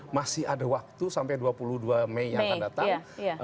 masih ada waktu sampai dua puluh dua mei yang akan datang